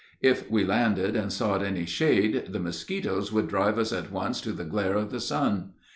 If we landed, and sought any shade, the mosquitos would drive us at once to the glare of the sun.